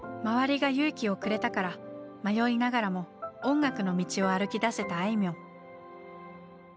周りが勇気をくれたから迷いながらも音楽の道を歩きだせたあいみょん。